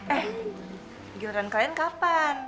eh jilban kalian kapan